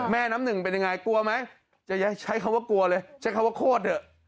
น้ำหนึ่งเป็นยังไงกลัวไหมจะใช้คำว่ากลัวเลยใช้คำว่าโคตรเถอะ